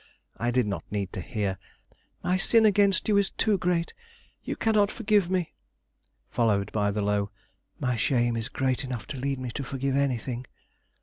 I did not need to hear: "My sin against you is too great; you cannot forgive me!" followed by the low: "My shame is great enough to lead me to forgive anything!"